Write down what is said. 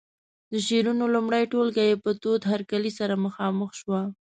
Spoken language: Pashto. د شعرونو لومړنۍ ټولګه یې په تود هرکلي سره مخامخ شوه.